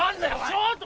ちょっと！